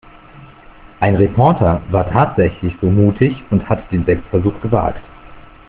Ein Reporter war tatsächlich so mutig und hat den Selbstversuch gewagt.